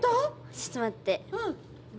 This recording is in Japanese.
ちょっと待って。